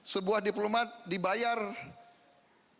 sebuah diplomat dibayar untuk menjaga kekuatan